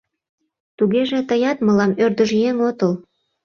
Тугеже тыят мылам ӧрдыжъеҥ отыл.